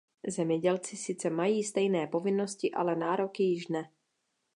Zemědělci sice mají stejné povinnosti, ale nároky již ne.